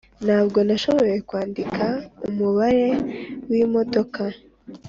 ] ntabwo nashoboye kwandika umubare wimodoka.